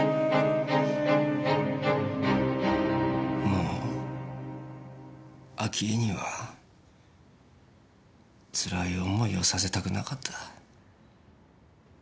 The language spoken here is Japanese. もう明恵にはつらい思いをさせたくなかった。